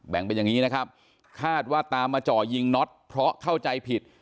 เป็นอย่างนี้นะครับคาดว่าตามมาจ่อยิงน็อตเพราะเข้าใจผิด